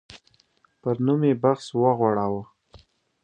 پر نوم یې بحث وغوړاوه.